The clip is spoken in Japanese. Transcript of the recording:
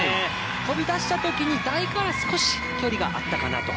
飛び出したときに台から少し距離があったかなと。